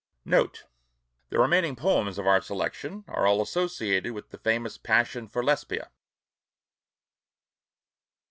NOTE. The remaining poems of our selection are all associated with the famous passion for Lesbia.